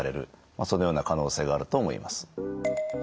そのような可能性があると思います。